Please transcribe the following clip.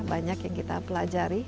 banyak yang kita pelajari